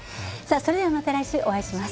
それではまた来週、お会いします。